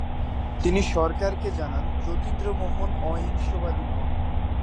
তিনি সরকারকে জানান যতীন্দ্রমোহন অহিংসবাদী নন।